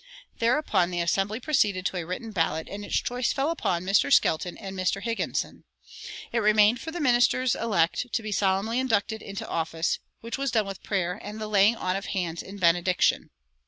Thereupon the assembly proceeded to a written ballot, and its choice fell upon Mr. Skelton and Mr. Higginson. It remained for the ministers elect to be solemnly inducted into office, which was done with prayer and the laying on of hands in benediction.